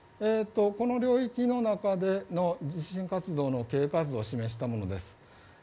この領域の中での地震活動の経過図を示したものです。